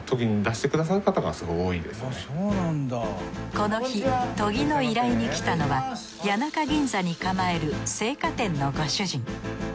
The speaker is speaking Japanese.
この日研ぎの依頼に来たのは谷中ぎんざに構える青果店のご主人。